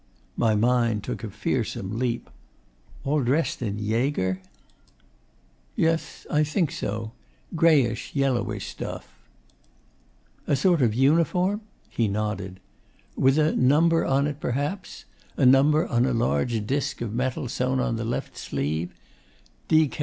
My mind took a fearsome leap. 'All dressed in Jaeger?' 'Yes. I think so. Greyish yellowish stuff.' 'A sort of uniform?' He nodded. 'With a number on it, perhaps? a number on a large disc of metal sewn on to the left sleeve?